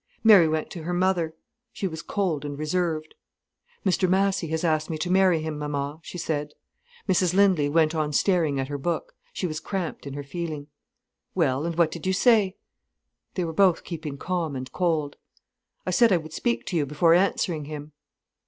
Mary went to her mother. She was cold and reserved. "Mr Massy has asked me to marry him, mama," she said. Mrs Lindley went on staring at her book. She was cramped in her feeling. "Well, and what did you say?" They were both keeping calm and cold. "I said I would speak to you before answering him."